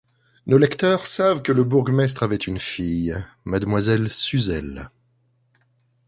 Nos lecteurs savent que le bourgmestre avait une fille, Mademoiselle Suzel.